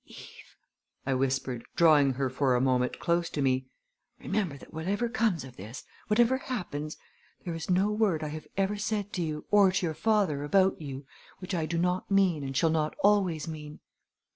"Eve," I whispered, drawing her for a moment close to me, "remember that whatever comes of this whatever happens there is no word I have ever said to you, or to your father about you, which I do not mean and shall not always mean."